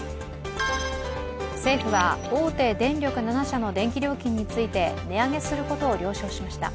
政府は大手電力７社の電気料金について値上げすることを了承しました。